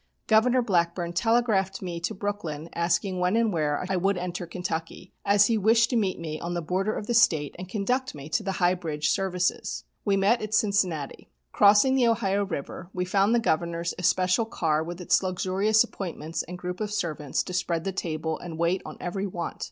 Governor Blackburn telegraphed me to Brooklyn asking when and where I would enter Kentucky, as he wished to meet me on the border of the State and conduct me to the High Bridge services. We met at Cincinnati. Crossing the Ohio River, we found the Governor's especial car with its luxurious appointments and group of servants to spread the table and wait on every want.